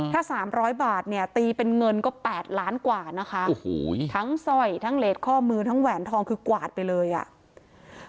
ถ้าสามร้อยบาทเนี่ยตีเป็นเงินก็๘ล้านกว่านะคะโอ้โหทั้งสร้อยทั้งเลสข้อมือทั้งแหวนทองคือกวาดไปเลยอ่ะ